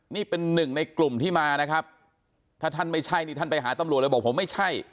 นี่เป็นหนึ่งในกลุ่มที่มานะครับถ้าท่านไม่ใช่นี่ท่านไปหาตำรวจเลยบอกผมไม่ใช่